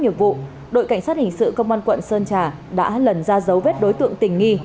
nghiệp vụ đội cảnh sát hình sự công an quận sơn trà đã lần ra dấu vết đối tượng tình nghi